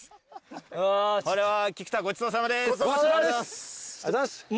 ごちそうさまです。